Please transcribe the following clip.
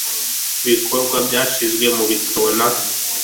Ibikorwa byashyizwe mu bitabo na